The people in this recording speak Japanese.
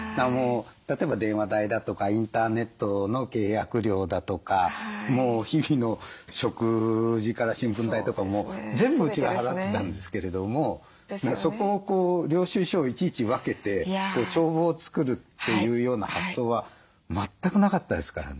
例えば電話代だとかインターネットの契約料だとか日々の食事から新聞代とかも全部うちが払ってたんですけれどもそこをこう領収書をいちいち分けて帳簿を作るっていうような発想は全くなかったですからね。